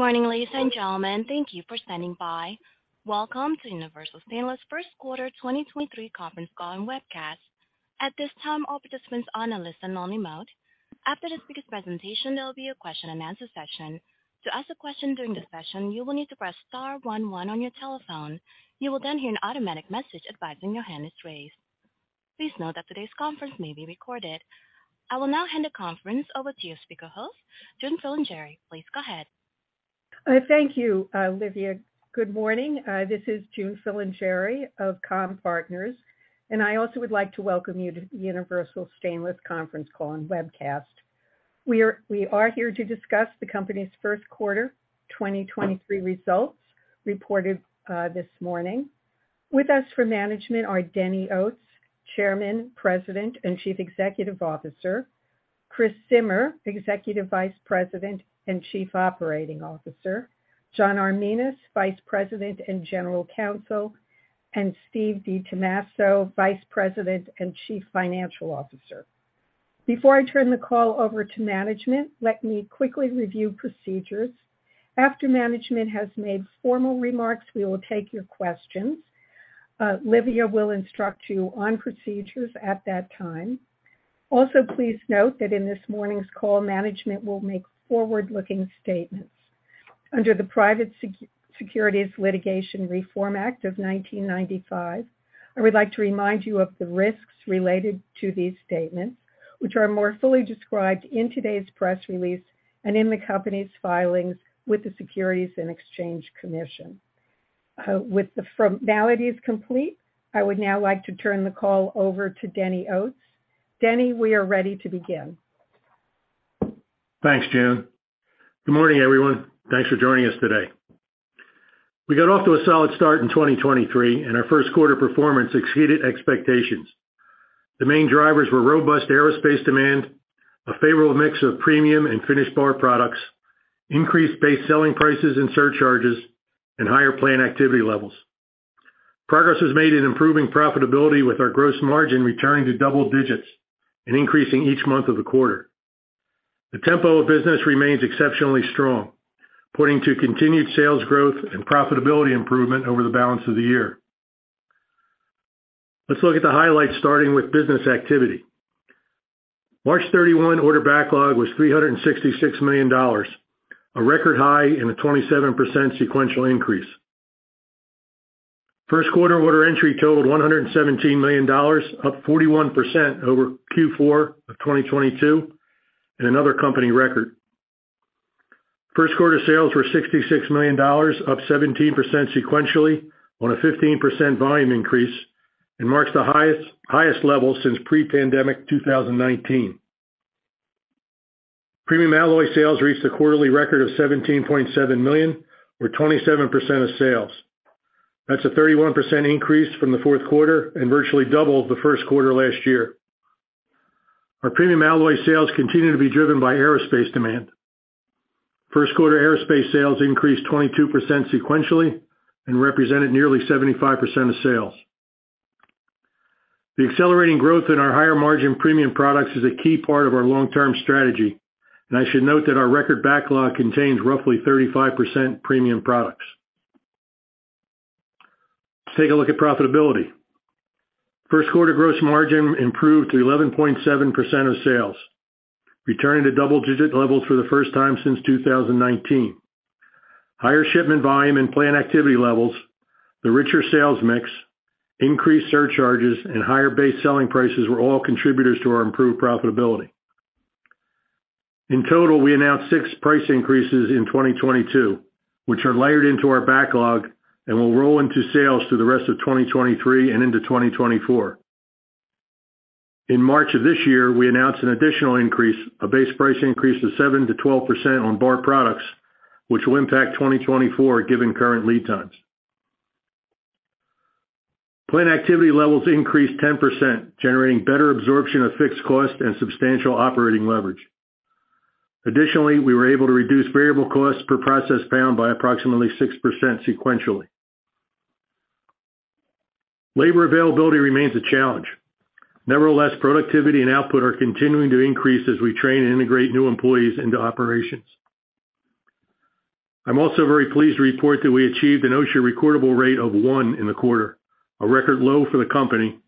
Good morning, ladies and gentlemen. Thank you for standing by. Welcome to Universal Stainless first quarter 2023 conference call and webcast. At this time, all participants are on a listen-only mode. After the speaker's presentation, there will be a question-and-answer session. To ask a question during the session, you will need to press star one one on your telephone. You will then hear an automatic message advising your hand is raised. Please note that today's conference may be recorded. I will now hand the conference over to your speaker host, June Filingeri. Please go ahead. Thank you, Lydia. Good morning. This is June Filingeri of Comm-Partners, I also would like to welcome you to Universal Stainless conference call and webcast. We are here to discuss the company's first quarter 2023 results reported this morning. With us for management are Denny Oates, Chairman, President, and Chief Executive Officer, Chris Zimmer, Executive Vice President and Chief Operating Officer, John Arminas, Vice President and General Counsel, Steve DiTommaso, Vice President and Chief Financial Officer. Before I turn the call over to management, let me quickly review procedures. After management has made formal remarks, we will take your questions. Lydia will instruct you on procedures at that time. Please note that in this morning's call, management will make forward-looking statements under the Private Securities Litigation Reform Act of 1995. I would like to remind you of the risks related to these statements, which are more fully described in today's press release and in the company's filings with the Securities and Exchange Commission. With the formalities complete, I would now like to turn the call over to Denny Oates. Denny, we are ready to begin. Thanks, June. Good morning, everyone. Thanks for joining us today. We got off to a solid start in 2023, and our first quarter performance exceeded expectations. The main drivers were robust aerospace demand, a favorable mix of premium and finished bar products, increased base selling prices and surcharges, and higher plant activity levels. Progress was made in improving profitability with our gross margin returning to double digits and increasing each month of the quarter. The tempo of business remains exceptionally strong, pointing to continued sales growth and profitability improvement over the balance of the year. Let's look at the highlights, starting with business activity. March 31 order backlog was $366 million, a record high and a 27% sequential increase. First quarter order entry totaled $117 million, up 41% over Q4 of 2022, and another company record. First quarter sales were $66 million, up 17% sequentially on a 15% volume increase, marks the highest level since pre-pandemic 2019. Premium alloy sales reached a quarterly record of $17.7 million, or 27% of sales. That's a 31% increase from the fourth quarter and virtually double the first quarter last year. Our premium alloy sales continue to be driven by aerospace demand. First quarter aerospace sales increased 22% sequentially and represented nearly 75% of sales. The accelerating growth in our higher-margin premium products is a key part of our long-term strategy, I should note that our record backlog contains roughly 35% premium products. Let's take a look at profitability. First quarter gross margin improved to 11.7% of sales, returning to double-digit levels for the first time since 2019. Higher shipment volume and plant activity levels, the richer sales mix, increased surcharges, and higher base selling prices were all contributors to our improved profitability. In total, we announced six price increases in 2022, which are layered into our backlog and will roll into sales through the rest of 2023 and into 2024. In March of this year, we announced an additional increase, a base price increase of 7%-12% on bar products, which will impact 2024 given current lead times. Plant activity levels increased 10%, generating better absorption of fixed cost and substantial operating leverage. Additionally, we were able to reduce variable costs per process pound by approximately 6% sequentially. Labor availability remains a challenge. Nevertheless, productivity and output are continuing to increase as we train and integrate new employees into operations. I'm also very pleased to report that we achieved an OSHA recordable rate of one in the quarter, a record low for the company.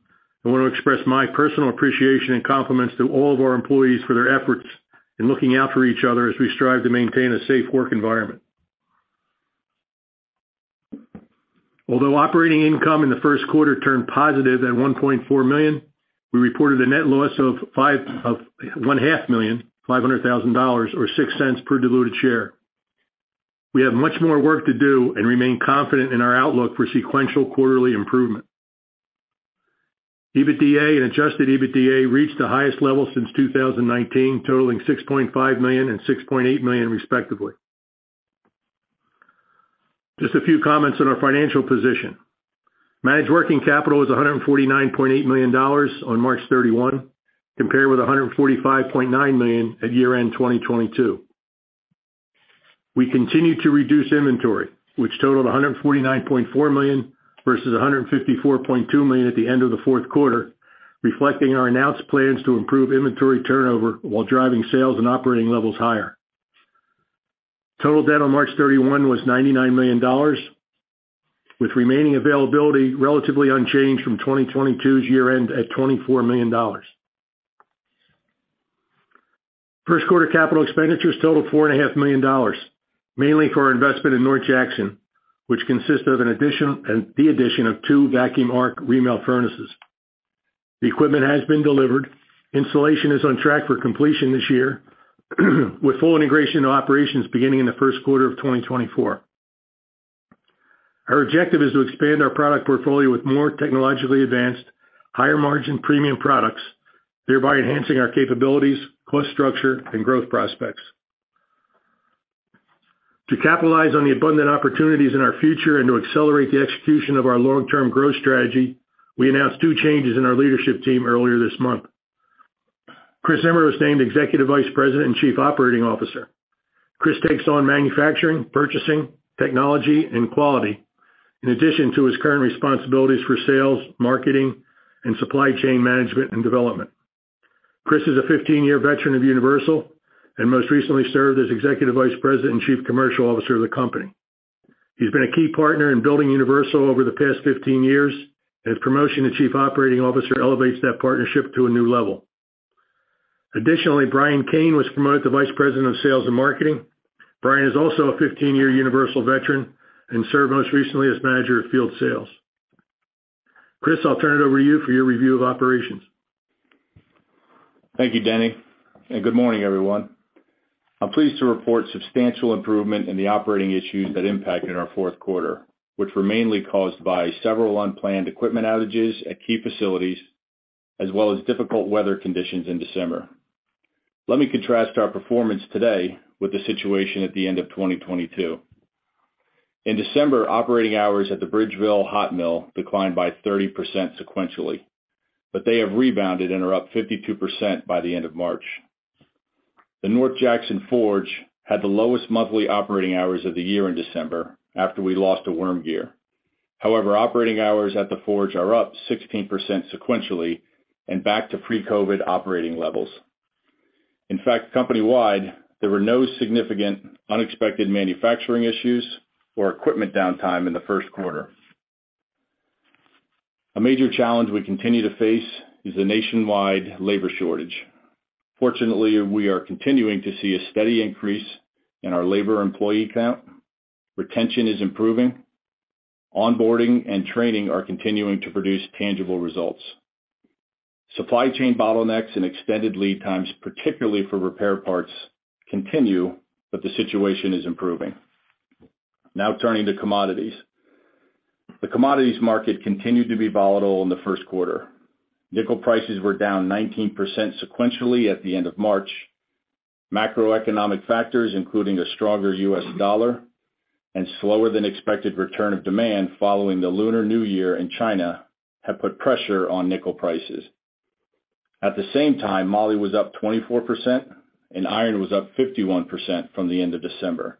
I want to express my personal appreciation and compliments to all of our employees for their efforts in looking out for each other as we strive to maintain a safe work environment. Although operating income in the first quarter turned positive at $1.4 million, we reported a net loss of $500,000, or $0.06 per diluted share. We have much more work to do and remain confident in our outlook for sequential quarterly improvement. EBITDA and adjusted EBITDA reached the highest level since 2019, totaling $6.5 million and $6.8 million respectively. Just a few comments on our financial position. Managed working capital was $149.8 million on March 31, compared with $145.9 million at year-end 2022. We continued to reduce inventory, which totaled $149.4 million, versus $154.2 million at the end of the fourth quarter, reflecting our announced plans to improve inventory turnover while driving sales and operating levels higher. Total debt on March 31 was $99 million, with remaining availability relatively unchanged from 2022's year-end at $24 million. First quarter capital expenditures totaled $4.5 million, mainly for our investment in North Jackson, which consists of the addition of two vacuum arc remelt furnaces. The equipment has been delivered. Installation is on track for completion this year, with full integration into operations beginning in the first quarter of 2024. Our objective is to expand our product portfolio with more technologically advanced, higher-margin premium products, thereby enhancing our capabilities, cost structure, and growth prospects. To capitalize on the abundant opportunities in our future and to accelerate the execution of our long-term growth strategy, we announced two changes in our leadership team earlier this month. Chris Zimmer was named Executive Vice President and Chief Operating Officer. Chris takes on manufacturing, purchasing, technology, and quality in addition to his current responsibilities for sales, marketing, and supply chain management and development. Chris is a 15-year veteran of Universal and most recently served as Executive Vice President and Chief Commercial Officer of the company. He's been a key partner in building Universal over the past 15 years, and his promotion to Chief Operating Officer elevates that partnership to a new level. Additionally, Brian Kane was promoted to Vice President of Sales and Marketing. Brian is also a 15-year Universal veteran and served most recently as Manager of Field Sales. Chris, I'll turn it over to you for your review of operations. Thank you, Denny, and good morning, everyone. I'm pleased to report substantial improvement in the operating issues that impacted our fourth quarter, which were mainly caused by several unplanned equipment outages at key facilities, as well as difficult weather conditions in December. Let me contrast our performance today with the situation at the end of 2022. In December, operating hours at the Bridgeville hot mill declined by 30% sequentially, but they have rebounded and are up 52% by the end of March. The North Jackson forge had the lowest monthly operating hours of the year in December after we lost a worm gear. However, operating hours at the forge are up 16% sequentially and back to pre-COVID operating levels. In fact, company-wide, there were no significant unexpected manufacturing issues or equipment downtime in the first quarter. A major challenge we continue to face is the nationwide labor shortage. Fortunately, we are continuing to see a steady increase in our labor employee count. Retention is improving. Onboarding and training are continuing to produce tangible results. Supply chain bottlenecks and extended lead times, particularly for repair parts, continue. The situation is improving. Turning to commodities. The commodities market continued to be volatile in the first quarter. Nickel prices were down 19% sequentially at the end of March. Macroeconomic factors, including a stronger U.S. dollar and slower than expected return of demand following the Lunar New Year in China, have put pressure on nickel prices. At the same time, Moly was up 24%. Iron was up 51% from the end of December.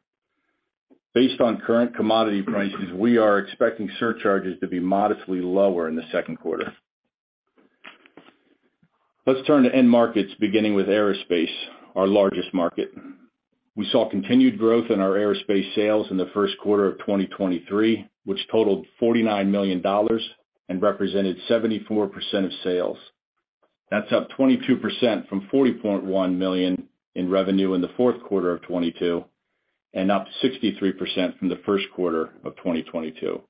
Based on current commodity prices, we are expecting surcharges to be modestly lower in the second quarter. Let's turn to end markets, beginning with Aerospace, our largest market. We saw continued growth in our Aerospace sales in the first quarter of 2023, which totaled $49 million and represented 74% of sales. That's up 22% from $40.1 million in revenue in the fourth quarter of 2022 and up 63% from the first quarter of 2022.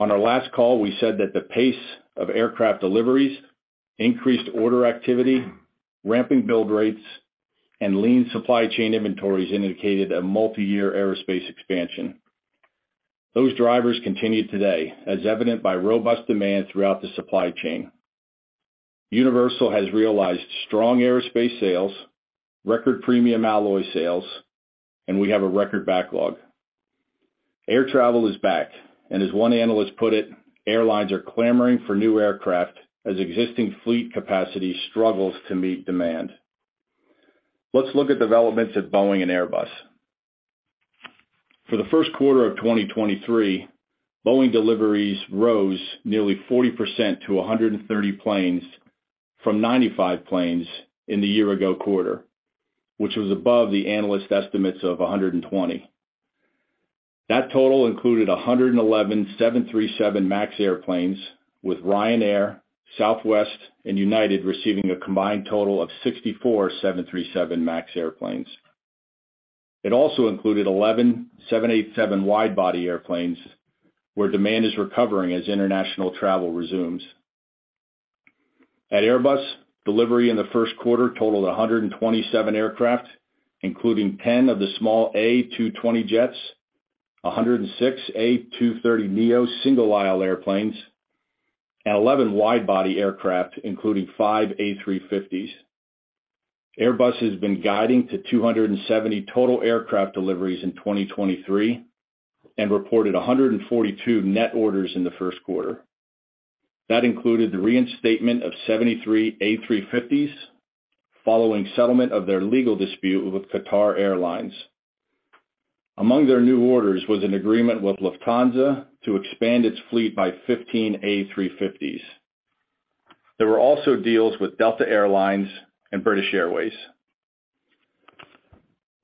On our last call, we said that the pace of aircraft deliveries, increased order activity, ramping build rates, and lean supply chain inventories indicated a multiyear aerospace expansion. Those drivers continue today, as evident by robust demand throughout the supply chain. Universal has realized strong aerospace sales, record premium alloy sales, and we have a record backlog. Air travel is back, and as one analyst put it, airlines are clamoring for new aircraft as existing fleet capacity struggles to meet demand. Let's look at developments at Boeing and Airbus. For the first quarter of 2023, Boeing deliveries rose nearly 40% to 130 planes from 95 planes in the year ago quarter, which was above the analyst estimates of 120. That total included 111 737 MAX airplanes, with Ryanair, Southwest, and United receiving a combined total of 64 737 MAX airplanes. It also included 11 787 wide-body airplanes, where demand is recovering as international travel resumes. At Airbus, delivery in the first quarter totaled 127 aircraft, including 10 of the small A220 jets, 106 A320neo single-aisle airplanes, and 11 wide-body aircraft, including five A350s. Airbus has been guiding to 270 total aircraft deliveries in 2023 and reported 142 net orders in the first quarter. That included the reinstatement of 73 A350s following settlement of their legal dispute with Qatar Airways. Among their new orders was an agreement with Lufthansa to expand its fleet by 15 A350s. There were also deals with Delta Air Lines and British Airways.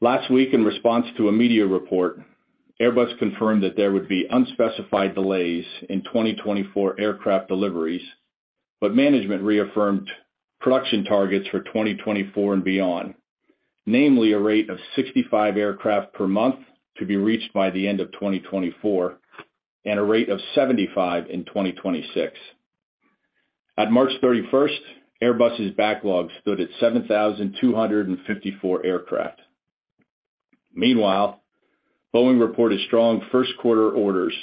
Last week, in response to a media report, Airbus confirmed that there would be unspecified delays in 2024 aircraft deliveries, but management reaffirmed production targets for 2024 and beyond, namely a rate of 65 aircraft per month to be reached by the end of 2024, and a rate of 75 in 2026. At March 31st, Airbus's backlog stood at 7,254 aircraft. Boeing reported strong first quarter orders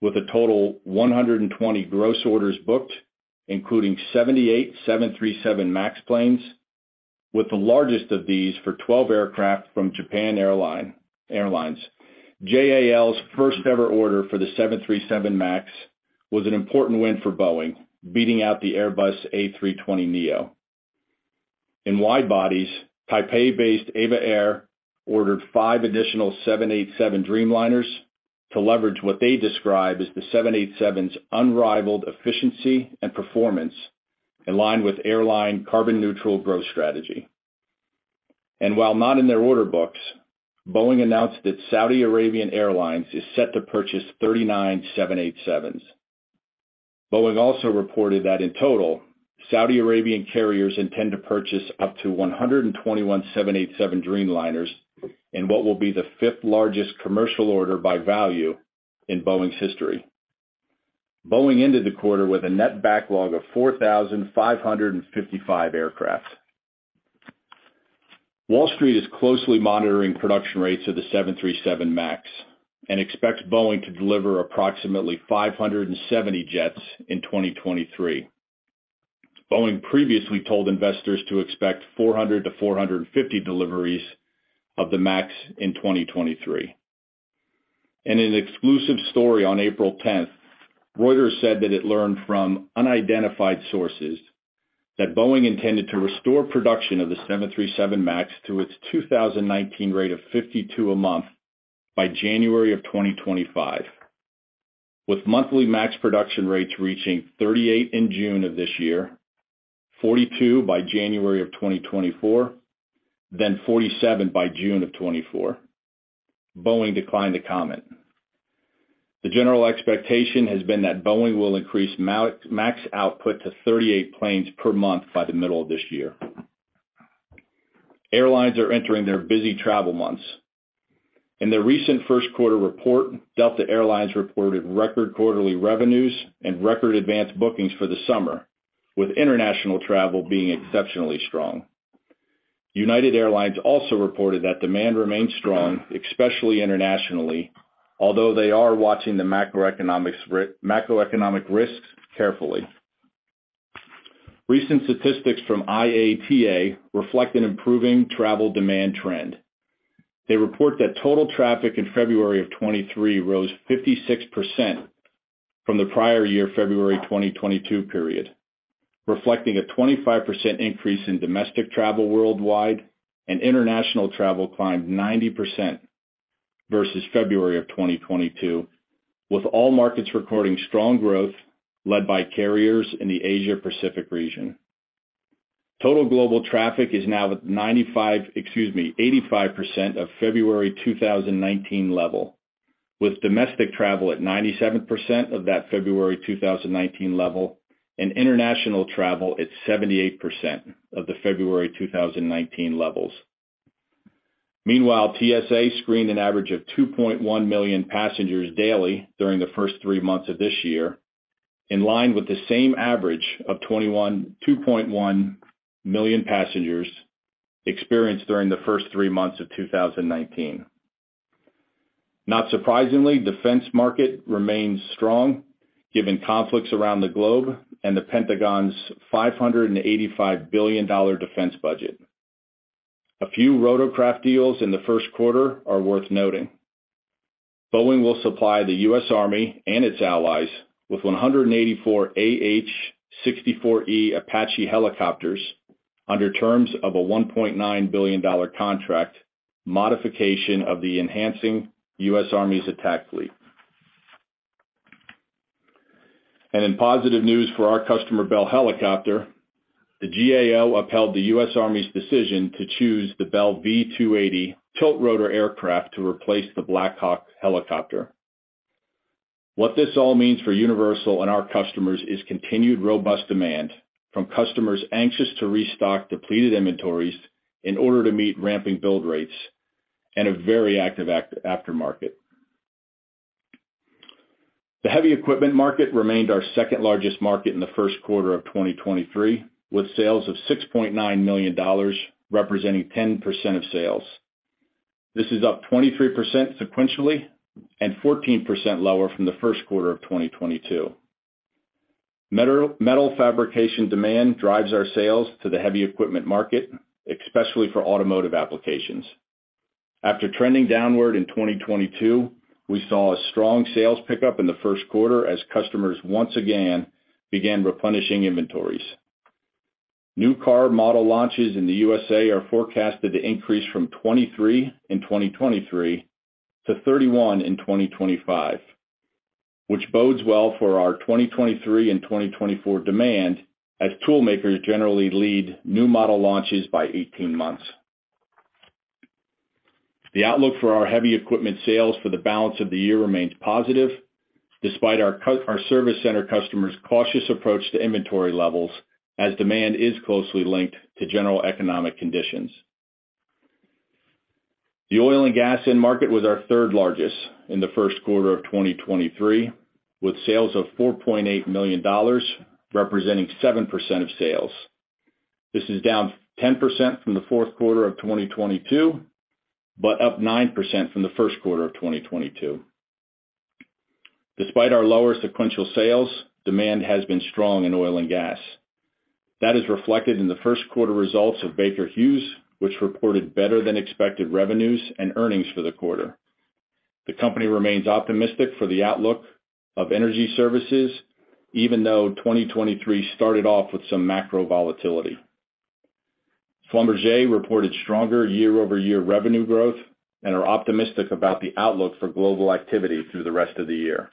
with a total 120 gross orders booked, including 78 737 MAX planes, with the largest of these for 12 aircraft from Japan Airlines. JAL's first ever order for the 737 MAX was an important win for Boeing, beating out the Airbus A320neo. In wide bodies, Taipei-based EVA Air ordered five additional 787 Dreamliners to leverage what they describe as the 787's unrivaled efficiency and performance in line with airline carbon neutral growth strategy. While not in their order books, Boeing announced that Saudi Arabian Airlines is set to purchase 39 787s. Boeing also reported that in total, Saudi Arabian carriers intend to purchase up to 121 787 Dreamliners in what will be the fifth-largest commercial order by value in Boeing's history. Boeing ended the quarter with a net backlog of 4,555 aircraft. Wall Street is closely monitoring production rates of the 737 MAX and expects Boeing to deliver approximately 570 jets in 2023. Boeing previously told investors to expect 400-450 deliveries of the MAX in 2023. In an exclusive story on April 10th, Reuters said that it learned from unidentified sources that Boeing intended to restore production of the 737 MAX to its 2019 rate of 52 a month by January of 2025, with monthly MAX production rates reaching 38 in June of this year, 42 by January of 2024, then 47 by June of 2024. Boeing declined to comment. The general expectation has been that Boeing will increase MAX output to 38 planes per month by the middle of this year. Airlines are entering their busy travel months. In their recent first quarter report, Delta Air Lines reported record quarterly revenues and record advanced bookings for the summer, with international travel being exceptionally strong. United Airlines also reported that demand remains strong, especially internationally, although they are watching the macroeconomic risks carefully. Recent statistics from IATA reflect an improving travel demand trend. They report that total traffic in February 2023 rose 56% from the prior year, February 2022 period, reflecting a 25% increase in domestic travel worldwide, and international travel climbed 90% versus February 2022, with all markets recording strong growth led by carriers in the Asia Pacific region. Total global traffic is now at 95%, excuse me, 85% of February 2019 level, with domestic travel at 97% of that February 2019 level, and international travel at 78% of the February 2019 levels. Meanwhile, TSA screened an average of 2.1 million passengers daily during the first three months of this year, in line with the same average of 2.1 million passengers experienced during the first three months of 2019. Not surprisingly, defense market remains strong, given conflicts around the globe and the Pentagon's $585 billion defense budget. A few rotorcraft deals in the first quarter are worth noting. Boeing will supply the U.S. Army and its allies with 184 AH-64E Apache helicopters under terms of a $1.9 billion contract modification of the enhancing U.S. Army's attack fleet. In positive news for our customer, Bell Helicopter, the GAO upheld the U.S. Army's decision to choose the Bell V-280 Tiltrotor aircraft to replace the Black Hawk helicopter. What this all means for Universal and our customers is continued robust demand from customers anxious to restock depleted inventories in order to meet ramping build rates and a very active aftermarket. The Heavy Equipment market remained our second-largest market in the first quarter of 2023, with sales of $6.9 million, representing 10% of sales. This is up 23% sequentially and 14% lower from the first quarter of 2022. Metal fabrication demand drives our sales to the heavy equipment market, especially for automotive applications. After trending downward in 2022, we saw a strong sales pickup in the first quarter as customers once again began replenishing inventories. New car model launches in the USA are forecasted to increase from 23 in 2023 to 31 in 2025, which bodes well for our 2023 and 2024 demand as tool makers generally lead new model launches by 18 months. The outlook for our Heavy Equipment sales for the balance of the year remains positive despite our service center customers' cautious approach to inventory levels as demand is closely linked to general economic conditions. The Oil and Gas end market was our third largest in the first quarter of 2023, with sales of $4.8 million, representing 7% of sales. This is down 10% from the fourth quarter of 2022, but up 9% from the first quarter of 2022. Despite our lower sequential sales, demand has been strong in Oil and Gas. That is reflected in the first quarter results of Baker Hughes, which reported better than expected revenues and earnings for the quarter. The company remains optimistic for the outlook of energy services, even though 2023 started off with some macro volatility. Schlumberger reported stronger year-over-year revenue growth and are optimistic about the outlook for global activity through the rest of the year.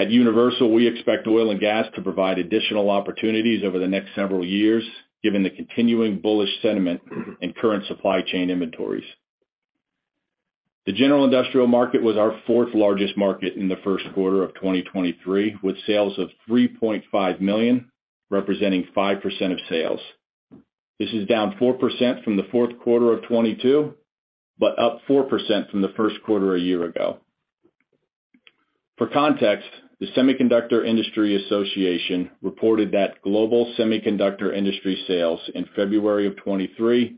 At Universal, we expect Oil and Gas to provide additional opportunities over the next several years, given the continuing bullish sentiment in current supply chain inventories. The General Industrial market was our fourth largest market in the first quarter of 2023, with sales of $3.5 million, representing 5% of sales. This is down 4% from the fourth quarter of 2022, up 4% from the first quarter a year ago. For context, the Semiconductor Industry Association reported that global semiconductor industry sales in February of 2023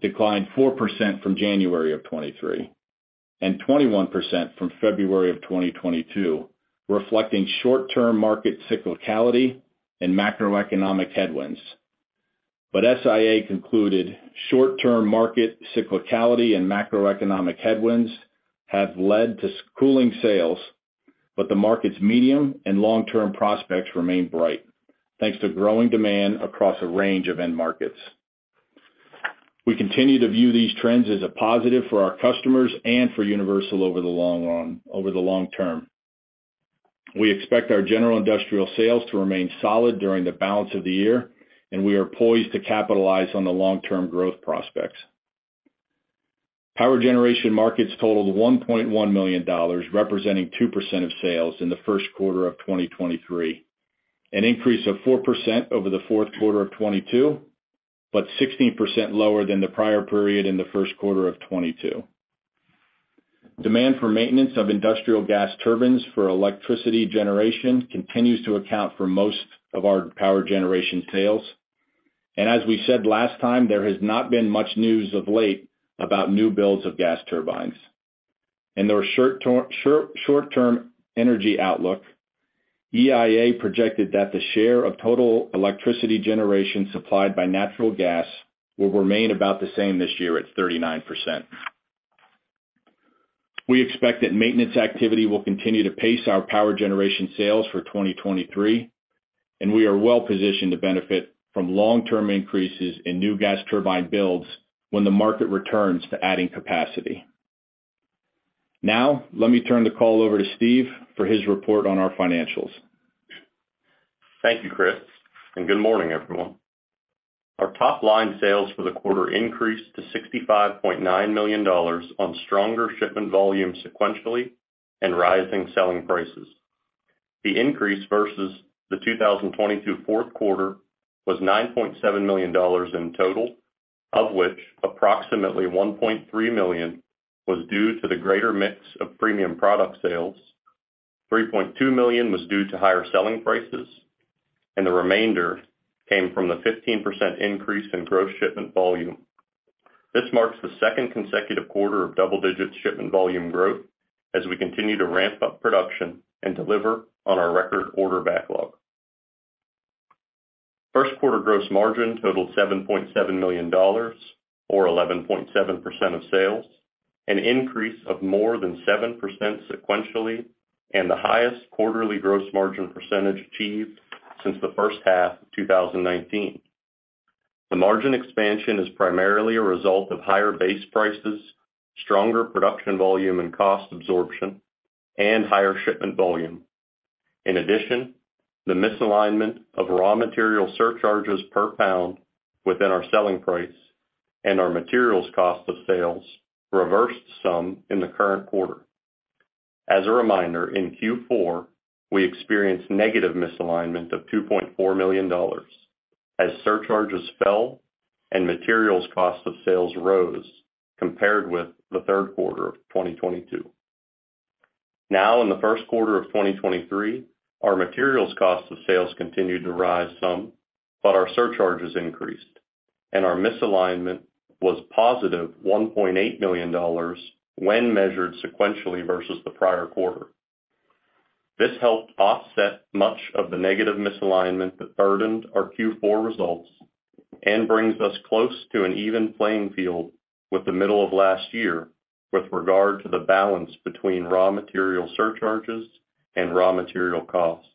declined 4% from January of 2023 and 21% from February of 2022, reflecting short-term market cyclicality and macroeconomic headwinds. SIA concluded short-term market cyclicality and macroeconomic headwinds have led to slowing sales, but the market's medium and long-term prospects remain bright, thanks to growing demand across a range of end markets. We continue to view these trends as a positive for our customers and for Universal over the long term. We expect our General Industrial sales to remain solid during the balance of the year, and we are poised to capitalize on the long-term growth prospects. Power Generation markets totaled $1.1 million, representing 2% of sales in the first quarter of 2023, an increase of 4% over the fourth quarter of 2022, but 16% lower than the prior period in the first quarter of 2022. Demand for maintenance of industrial gas turbines for electricity generation continues to account for most of our Power Generation sales. As we said last time, there has not been much news of late about new builds of gas turbines. In their short-term energy outlook, EIA projected that the share of total electricity generation supplied by natural gas will remain about the same this year at 39%. We expect that maintenance activity will continue to pace our Power Generation sales for 2023. We are well positioned to benefit from long-term increases in new gas turbine builds when the market returns to adding capacity. Let me turn the call over to Steve for his report on our financials. Thank you, Chris, and good morning, everyone. Our top line sales for the quarter increased to $65.9 million on stronger shipment volume sequentially and rising selling prices. The increase versus the 2022 fourth quarter was $9.7 million in total, of which approximately $1.3 million was due to the greater mix of premium product sales. $3.2 million was due to higher selling prices, and the remainder came from the 15% increase in gross shipment volume. This marks the second consecutive quarter of double-digit shipment volume growth as we continue to ramp up production and deliver on our record order backlog. First quarter gross margin totaled $7.7 million or 11.7% of sales, an increase of more than 7% sequentially and the highest quarterly gross margin percentage achieved since the first half of 2019. The margin expansion is primarily a result of higher base prices, stronger production volume and cost absorption, and higher shipment volume. In addition, the misalignment of raw material surcharges per pound within our selling price and our materials cost of sales reversed some in the current quarter. As a reminder, in Q4, we experienced negative misalignment of $2.4 million as surcharges fell and materials cost of sales rose compared with the third quarter of 2022. In the 1st quarter of 2023, our materials cost of sales continued to rise some, but our surcharges increased and our misalignment was positive $1.8 million when measured sequentially versus the prior quarter. This helped offset much of the negative misalignment that burdened our Q4 results and brings us close to an even playing field with the middle of last year with regard to the balance between raw material surcharges and raw material costs.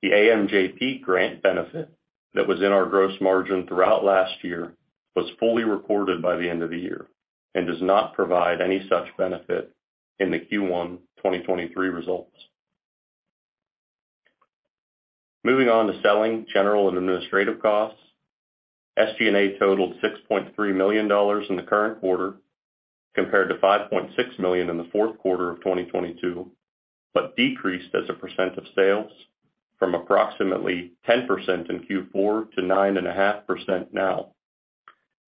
The AMJP grant benefit that was in our gross margin throughout last year was fully recorded by the end of the year and does not provide any such benefit in the Q1 2023 results. Moving on to selling, general, and administrative costs. SG&A totaled $6.3 million in the current quarter compared to $5.6 million in the fourth quarter of 2022, decreased as a percent of sales from approximately 10% in Q4 to 9.5% now.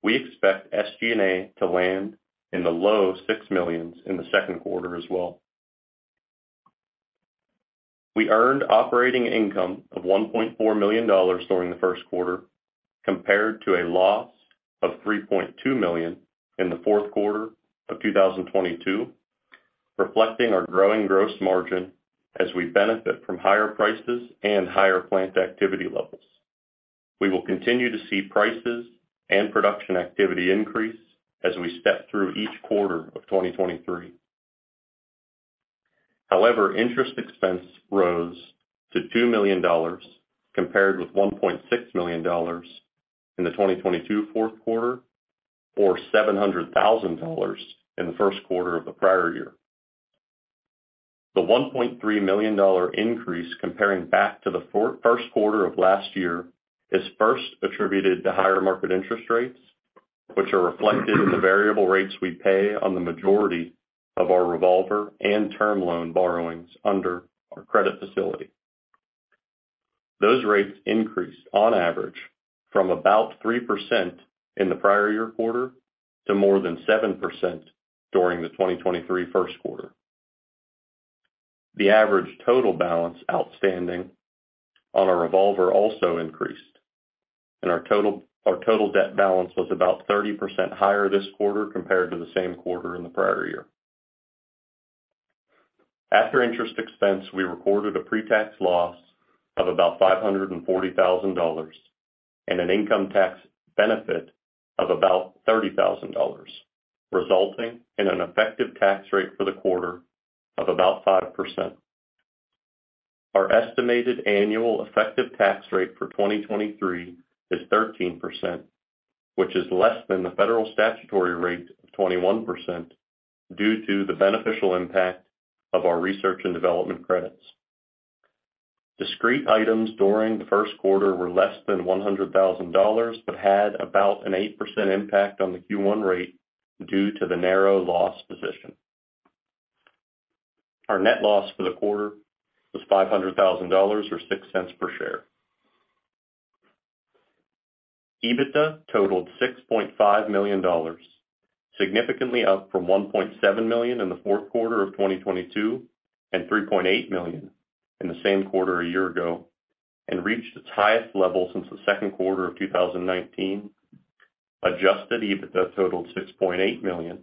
We expect SG&A to land in the low $6 million in the second quarter as well. We earned operating income of $1.4 million during the first quarter compared to a loss of $3.2 million in the fourth quarter of 2022, reflecting our growing gross margin as we benefit from higher prices and higher plant activity levels. We will continue to see prices and production activity increase as we step through each quarter of 2023. Interest expense rose to $2 million, compared with $1.6 million in the 2022 fourth quarter, or $700,000 in the first quarter of the prior year. The $1.3 million increase comparing back to the first quarter of last year is first attributed to higher market interest rates, which are reflected in the variable rates we pay on the majority of our revolver and term loan borrowings under our credit facility. Those rates increased on average from about 3% in the prior year quarter to more than 7% during the 2023 first quarter. The average total balance outstanding on our revolver also increased, and our total debt balance was about 30% higher this quarter compared to the same quarter in the prior year. After interest expense, we recorded a pre-tax loss of about $540,000 and an income tax benefit of about $30,000, resulting in an effective tax rate for the quarter of about 5%. Our estimated annual effective tax rate for 2023 is 13%, which is less than the federal statutory rate of 21% due to the beneficial impact of our research and development credits. Discrete items during the first quarter were less than $100,000 but had about an 8% impact on the Q1 rate due to the narrow loss position. Our net loss for the quarter was $500,000 or $0.06 per share. EBITDA totaled $6.5 million, significantly up from $1.7 million in the fourth quarter of 2022 and $3.8 million in the same quarter a year ago, and reached its highest level since the second quarter of 2019. Adjusted EBITDA totaled $6.8 million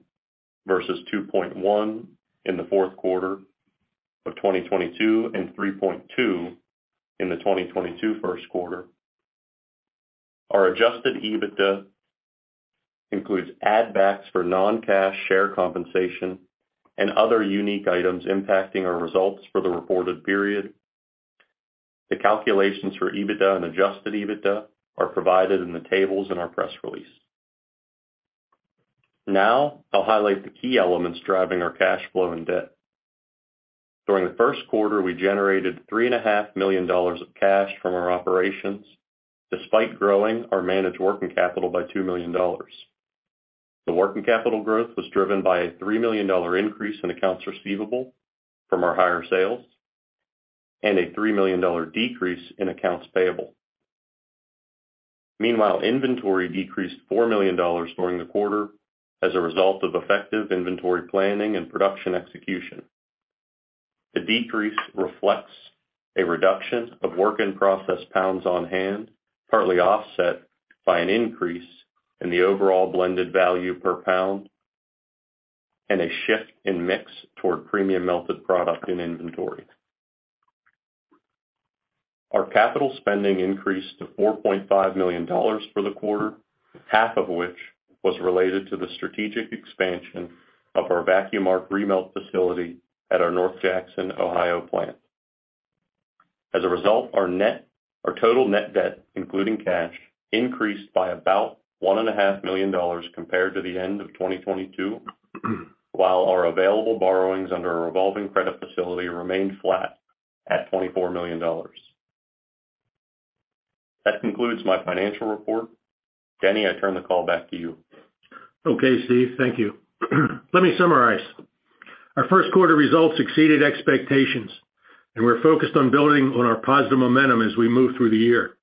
versus $2.1 million in the fourth quarter of 2022 and $3.2 million in the 2022 first quarter. Our adjusted EBITDA includes add-backs for non-cash share compensation and other unique items impacting our results for the reported period. The calculations for EBITDA and adjusted EBITDA are provided in the tables in our press release. I'll highlight the key elements driving our cash flow and debt. During the first quarter, we generated $3.5 million of cash from our operations despite growing our managed working capital by $2 million. The working capital growth was driven by a $3 million increase in accounts receivable from our higher sales and a $3 million decrease in accounts payable. Inventory decreased $4 million during the quarter as a result of effective inventory planning and production execution. The decrease reflects a reduction of work-in-process pounds on hand, partly offset by an increase in the overall blended value per pound and a shift in mix toward premium melted product in inventory. Our capital spending increased to $4.5 million for the quarter, half of which was related to the strategic expansion of our vacuum arc remelt facility at our North Jackson, Ohio plant. As a result, our total net debt, including cash, increased by about $1.5 million compared to the end of 2022 while our available borrowings under a revolving credit facility remained flat at $24 million. That concludes my financial report. Denny, I turn the call back to you. Okay, Steve. Thank you. Let me summarize. Our first quarter results exceeded expectations, and we're focused on building on our positive momentum as we move through the year.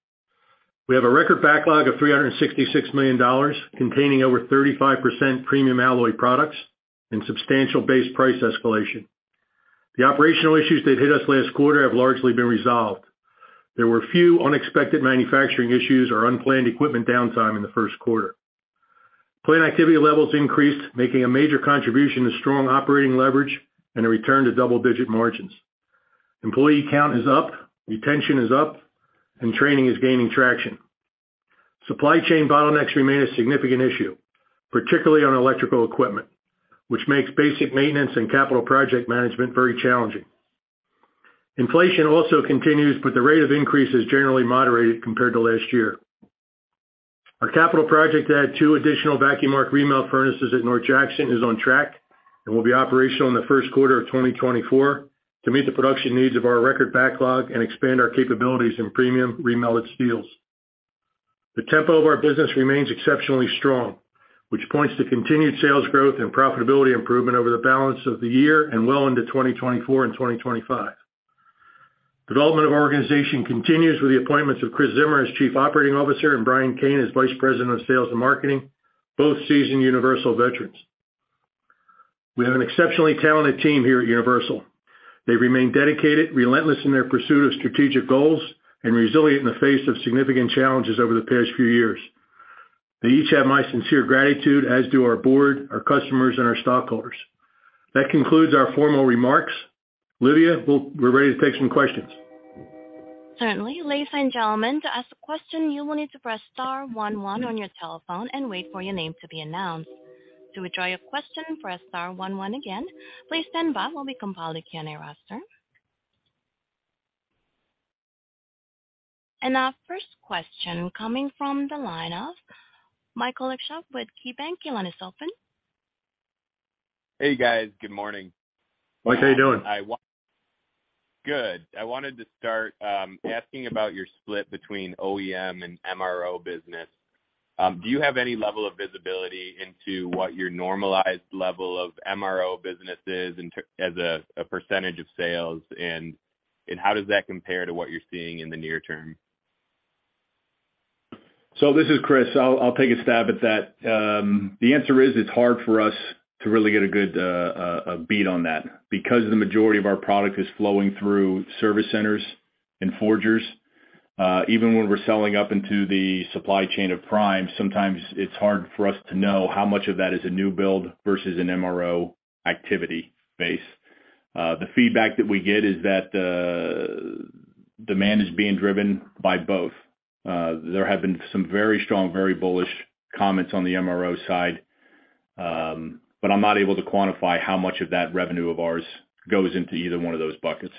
We have a record backlog of $366 million, containing over 35% premium alloy products and substantial base price escalation. The operational issues that hit us last quarter have largely been resolved. There were few unexpected manufacturing issues or unplanned equipment downtime in the first quarter. Plant activity levels increased, making a major contribution to strong operating leverage and a return to double-digit margins. Employee count is up, retention is up, and training is gaining traction. Supply chain bottlenecks remain a significant issue, particularly on electrical equipment, which makes basic maintenance and capital project management very challenging. Inflation also continues, but the rate of increase is generally moderated compared to last year. Our capital project to add two additional vacuum arc remelt furnaces at North Jackson is on track and will be operational in the first quarter of 2024 to meet the production needs of our record backlog and expand our capabilities in premium remelted steels. The tempo of our business remains exceptionally strong, which points to continued sales growth and profitability improvement over the balance of the year and well into 2024 and 2025. Development of organization continues with the appointments of Chris Zimmer as Chief Operating Officer and Brian Kane as Vice President of Sales and Marketing, both seasoned Universal veterans. We have an exceptionally talented team here at Universal. They remain dedicated, relentless in their pursuit of strategic goals, and resilient in the face of significant challenges over the past few years. They each have my sincere gratitude, as do our Board, our customers, and our stockholders. That concludes our formal remarks. Lydia, we're ready to take some questions. Certainly. Ladies and gentlemen, to ask a question, you will need to press star one one on your telephone and wait for your name to be announced. To withdraw your question, press star one one again. Please stand by while we compile the Q&A roster. Our first question coming from the line of Michael Leshock with KeyBanc. Your line is open. Hey, guys. Good morning. How are you doing? Good. I wanted to start, asking about your split between OEM and MRO business. Do you have any level of visibility into what your normalized level of MRO business is as a percentage of sales? How does that compare to what you're seeing in the near term? This is Chris. I'll take a stab at that. The answer is it's hard for us to really get a good beat on that because the majority of our product is flowing through service centers and forgers. Even when we're selling up into the supply chain of primes, sometimes it's hard for us to know how much of that is a new build versus an MRO activity base. The feedback that we get is that the demand is being driven by both. There have been some very strong, very bullish comments on the MRO side. I'm not able to quantify how much of that revenue of ours goes into either one of those buckets.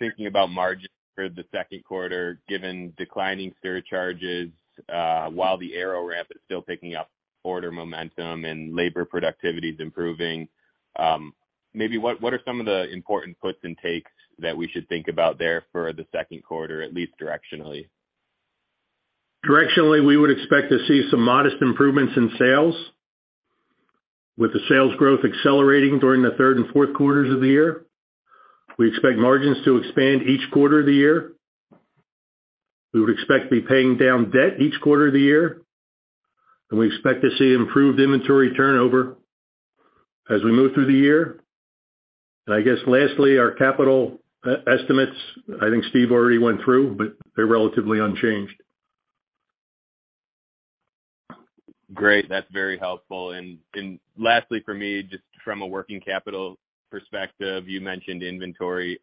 Thinking about margin for the second quarter, given declining surcharges, while the aero ramp is still picking up order momentum and labor productivity is improving, maybe what are some of the important puts and takes that we should think about there for the second quarter, at least directionally? Directionally, we would expect to see some modest improvements in sales, with the sales growth accelerating during the third and fourth quarters of the year. We expect margins to expand each quarter of the year. We would expect to be paying down debt each quarter of the year. We expect to see improved inventory turnover as we move through the year. I guess lastly, our capital estimates, I think Steve already went through, but they're relatively unchanged. Great. That's very helpful. Lastly for me, just from a working capital perspective, you mentioned inventory.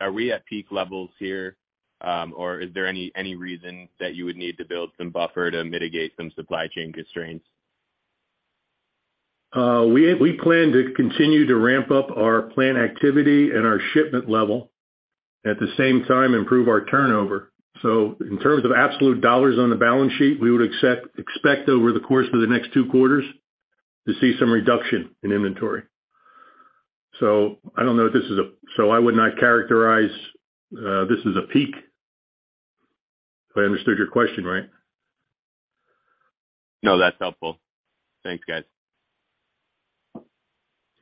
Are we at peak levels here, or is there any reason that you would need to build some buffer to mitigate some supply chain constraints? We plan to continue to ramp up our plant activity and our shipment level, at the same time improve our turnover. In terms of absolute dollars on the balance sheet, we would expect over the course of the next two quarters to see some reduction in inventory. I don't know if this is a... I would not characterize this as a peak, if I understood your question right. No, that's helpful. Thanks, guys.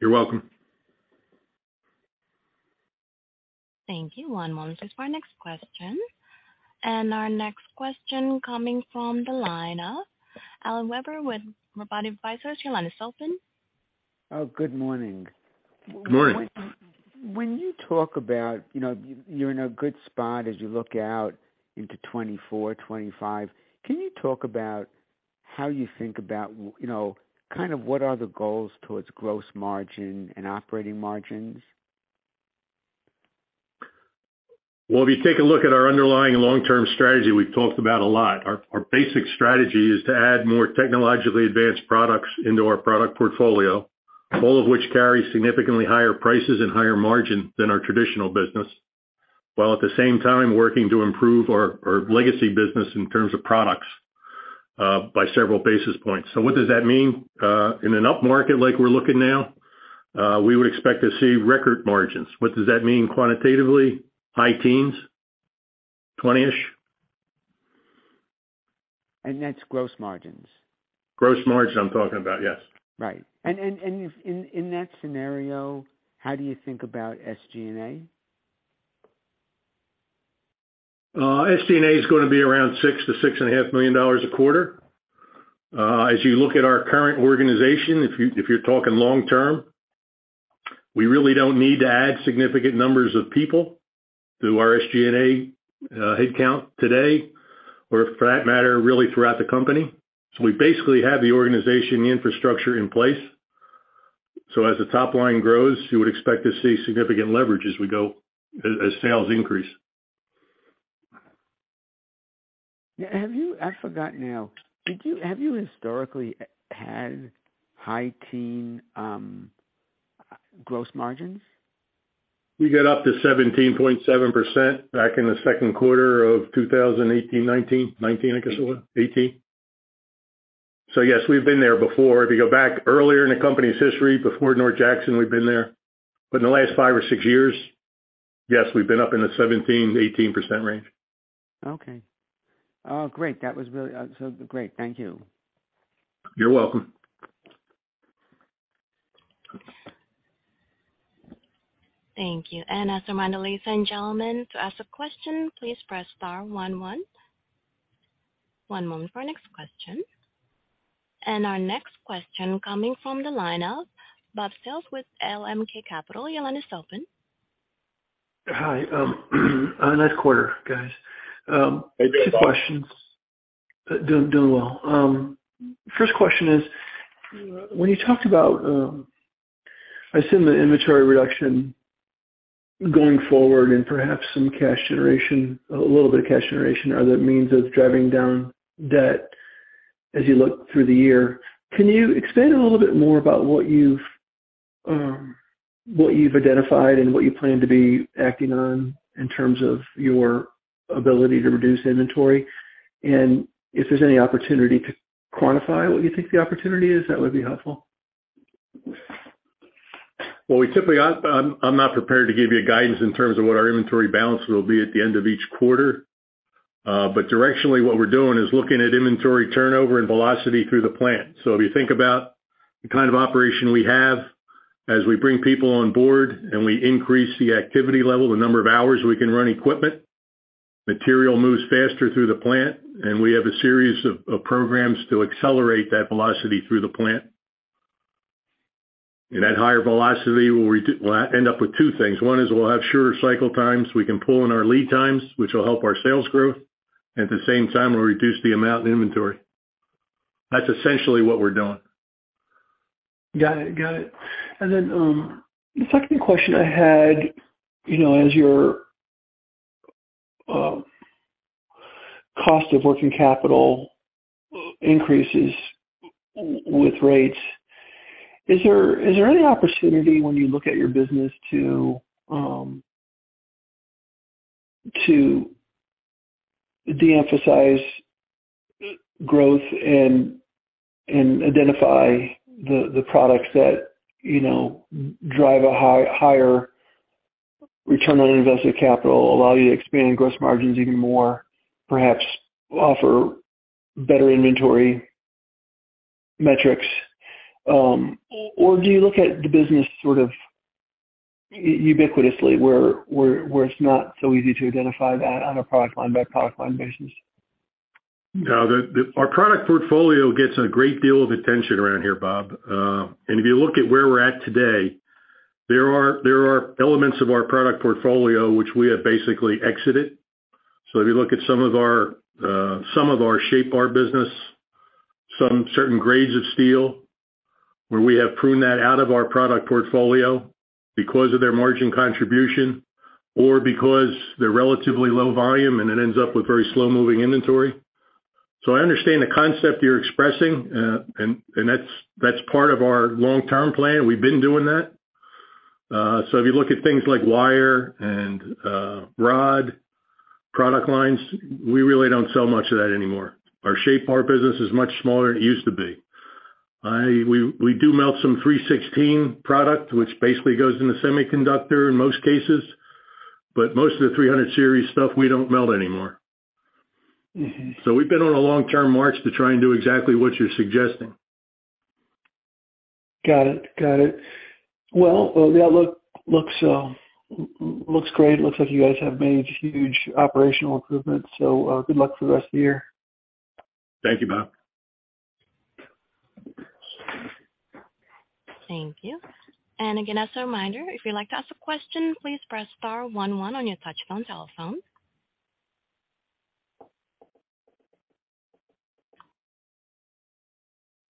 You're welcome. Thank you. One moment for our next question. Our next question coming from the line of Alan Weber with Robotti Advisors. Your line is open. Oh, good morning. Good morning. When you talk about, you know, you're in a good spot as you look out into 2024, 2025, can you talk about how you think about, you know, kind of what are the goals towards gross margin and operating margins? Well, if you take a look at our underlying long-term strategy we've talked about a lot, our basic strategy is to add more technologically advanced products into our product portfolio, all of which carry significantly higher prices and higher margin than our traditional business, while at the same time working to improve our legacy business in terms of products, by several basis points. What does that mean? In an upmarket like we're looking now, we would expect to see record margins. What does that mean quantitatively? High teens, 20-ish. That's gross margins? Gross margin, I'm talking about, yes. Right. In that scenario, how do you think about SG&A? SG&A is gonna be around $6 million-$6.5 million a quarter. As you look at our current organization, if you, if you're talking long term, we really don't need to add significant numbers of people through our SG&A headcount today or for that matter, really throughout the company. We basically have the organization infrastructure in place. As the top line grows, you would expect to see significant leverage as we go... as sales increase. Yeah. Have you... I forgot now. Have you historically had high teen gross margins? We get up to 17.7% back in the second quarter of 2018, 2019. 2019, I guess it was. 2018. Yes, we've been there before. If you go back earlier in the company's history before North Jackson, we've been there. In the last five or six years, yes, we've been up in the 17%-18% range. Okay. Oh, great. That was really so great. Thank you. You're welcome. Thank you. As a reminder, ladies and gentlemen, to ask a question, please press star one one. One moment for our next question. Our next question coming from the line of Bob Sales with LMK Capital. Your line is open. Hi. On that quarter, guys. How you doing, Bob? Two questions. Doing well. First question is, when you talked about, I assume the inventory reduction going forward and perhaps some cash generation, a little bit of cash generation are the means of driving down debt as you look through the year. Can you expand a little bit more about what you've, what you've identified and what you plan to be acting on in terms of your ability to reduce inventory? If there's any opportunity to quantify what you think the opportunity is, that would be helpful. We typically, I'm not prepared to give you guidance in terms of what our inventory balance will be at the end of each quarter. Directionally, what we're doing is looking at inventory turnover and velocity through the plant. If you think about the kind of operation we have as we bring people on board and we increase the activity level, the number of hours we can run equipment, material moves faster through the plant, and we have a series of programs to accelerate that velocity through the plant. That higher velocity will end up with two things. One is we'll have shorter cycle times. We can pull in our lead times, which will help our sales growth. At the same time, we'll reduce the amount in inventory. That's essentially what we're doing. Got it. Got it. Then, you know, as your cost of working capital increases with rates, is there any opportunity when you look at your business to de-emphasize growth and identify the products that, you know, drive a higher return on invested capital, allow you to expand gross margins even more, perhaps offer better inventory metrics? Or do you look at the business sort of ubiquitously where it's not so easy to identify that on a product line by product line basis? No. Our product portfolio gets a great deal of attention around here, Bob. If you look at where we're at today, there are elements of our product portfolio which we have basically exited. If you look at some of our shape bar business, some certain grades of steel where we have pruned that out of our product portfolio because of their margin contribution or because they're relatively low volume, and it ends up with very slow-moving inventory. I understand the concept you're expressing, and that's part of our long-term plan. We've been doing that. If you look at things like wire and rod product lines, we really don't sell much of that anymore. Our shape bar business is much smaller than it used to be. We do melt some 316 product, which basically goes into semiconductor in most cases, but most of the 300 series stuff, we don't melt anymore. Mm-hmm. We've been on a long-term march to try and do exactly what you're suggesting. Got it. The outlook looks great. Looks like you guys have made huge operational improvements. Good luck for the rest of the year. Thank you, Bob. Thank you. Again, as a reminder, if you'd like to ask a question, please press star one one on your touch tone telephone.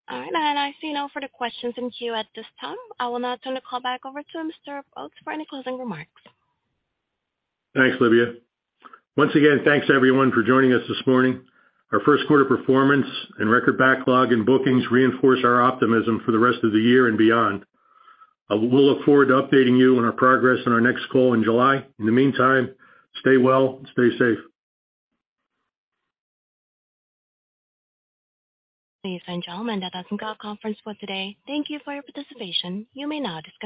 All right. I see no further questions in queue at this time. I will now turn the call back over to Mr. Oates for any closing remarks. Thanks, Lydia. Once again, thanks everyone for joining us this morning. Our first quarter performance and record backlog and bookings reinforce our optimism for the rest of the year and beyond. We'll look forward to updating you on our progress in our next call in July. In the meantime, stay well and stay safe. Ladies and gentlemen, that does end our conference for today. Thank you for your participation. You may now disconnect.